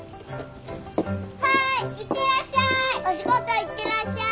はい行ってらっしゃい！